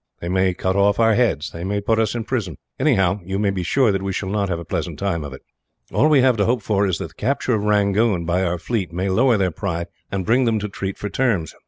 They may cut off our heads, they may put us in prison; anyhow, you may be sure that we shall not have a pleasant time of it. "All we have to hope for is that the capture of Rangoon, by our fleet, may lower their pride and bring them to treat for terms.